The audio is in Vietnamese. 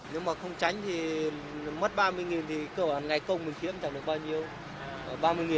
nếu mà không tránh thì mất ba mươi thì cơ bản ngày công mình kiếm trả được bao nhiêu